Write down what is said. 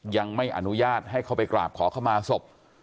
ยังไม่อนุญาตให้เข้าไปกราบขอเข้ามาศพ